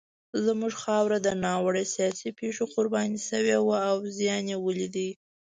زموږ خاوره د ناوړه سیاسي پېښو قرباني شوې وه او زیان یې ولید.